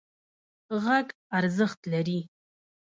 غږ ارزښت لري.